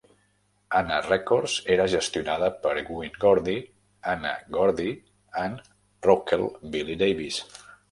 Anna Records era gestionada per Gwen Gordy, Anna Gordy and Roquel "Billy" Davis.